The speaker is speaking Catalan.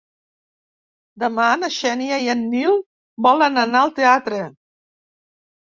Demà na Xènia i en Nil volen anar al teatre.